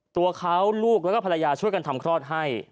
ตัวเขาลูกแล้วก็ภรรยาช่วยกันทำคลอดให้